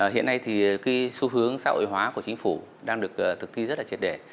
hiện nay thì cái xu hướng xã hội hóa của chính phủ đang được thực thi rất là triệt đẻ